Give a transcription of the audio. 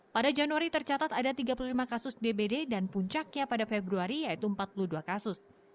pada januari tercatat ada tiga puluh lima kasus dbd dan puncaknya pada februari yaitu empat puluh dua kasus